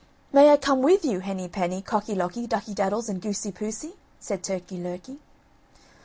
"May I come with you? Henny penny, Cocky locky, Ducky daddles and Goosey poosey?" said Turkey lurkey.